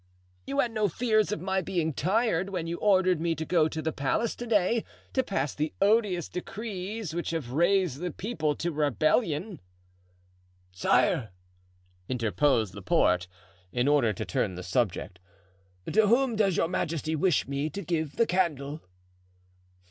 "You had no fears of my being tired when you ordered me to go to the palace to day to pass the odious decrees which have raised the people to rebellion." "Sire!" interposed Laporte, in order to turn the subject, "to whom does your majesty wish me to give the candle?"